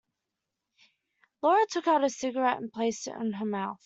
Laura took out a cigarette and placed it in her mouth.